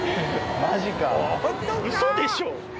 マジか⁉ウソでしょ